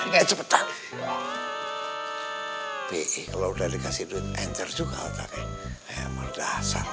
kecepatan kalau udah dikasih duit enter juga